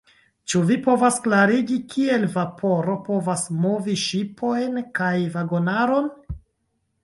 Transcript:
Ĉu vi povas klarigi, kiel vaporo povas movi ŝipojn kaj vagonaron?